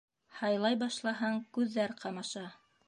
Һайлай башлаһаң, күҙҙәр ҡамаша.